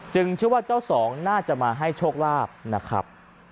เชื่อว่าเจ้าสองน่าจะมาให้โชคลาภนะครับ